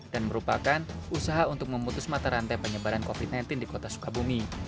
dan merupakan usaha untuk memutus mata rantai penyebaran covid sembilan belas di kota sukabumi